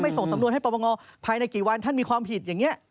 ส่งสำนวนให้ปรปงภายในกี่วันท่านมีความผิดอย่างนี้